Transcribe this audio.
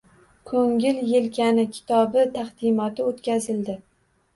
«Ko‘ngil yelkani» kitobi taqdimoti o‘tkazildi